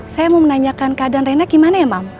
saya mau menanyakan keadaan rena gimana ya mam